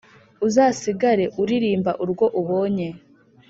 uzasigare uririmba urwo ubonye”